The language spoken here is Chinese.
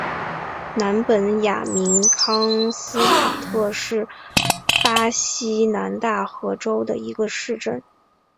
南本雅明康斯坦特是巴西南大河州的一个市镇。